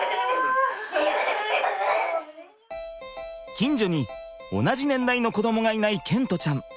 近所に同じ年代の子どもがいない賢澄ちゃん。